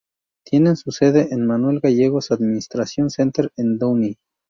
Tiene su sede en el "Manuel Gallegos Administration Center" en Downey.